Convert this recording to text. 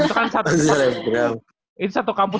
itu kan satu kampus